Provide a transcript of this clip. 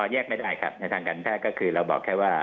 แยกไม่ได้ครับในทางการแพทย์ก็คือเราบอกแค่ว่า